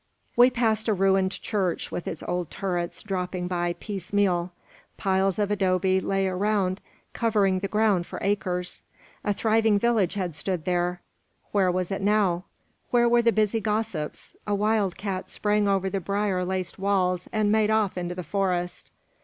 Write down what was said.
We passed a ruined church with its old turrets dropping by piecemeal. Piles of adobe lay around covering the ground for acres. A thriving village had stood there. Where was it now? Where were the busy gossips? A wild cat sprang over the briar laced walls, and made off into the forest.